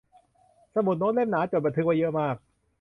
สมุดโน้ตเล่มหนา จดบันทึกไว้เยอะมาก